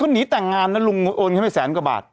เขาหนีแต่งงานนะลุงโอนไม่แสนกว่าบาท